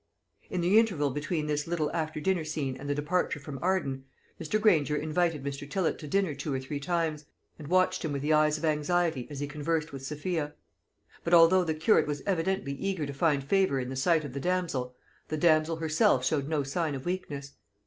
In the interval between this little after dinner scene and the departure from Arden, Mr. Granger invited Mr. Tillott to dinner two or three times, and watched him with the eyes of anxiety as he conversed with Sophia. But although the curate was evidently eager to find favour in the sight of the damsel, the damsel herself showed no sign of weakness.